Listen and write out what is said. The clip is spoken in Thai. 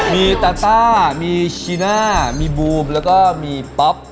มีตาต้ามีชีน่ามีบูมแล้วก็มีป๊อป